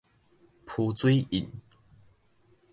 浮水印